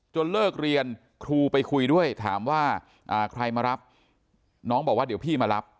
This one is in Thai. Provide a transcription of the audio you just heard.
เลิกเรียนครูไปคุยด้วยถามว่าใครมารับน้องบอกว่าเดี๋ยวพี่มารับ